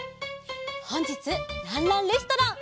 ほんじつ「ランランレストラン」